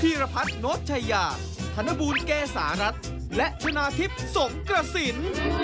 รพัฒน์โน้ตชายาธนบูลเกษารัฐและชนะทิพย์สงกระสิน